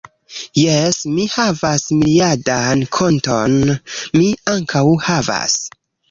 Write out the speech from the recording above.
Jes, mi havas miriadan konton, mi ankaŭ havas